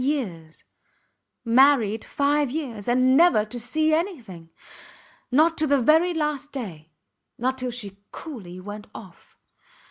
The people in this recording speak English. . years ... married five years ... and never to see anything. Not to the very last day ... not till she coolly went off.